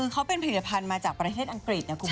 เขาเป็นผลิตภัณฑ์มาจากประเทศอังกฤษนะคุณผู้ชม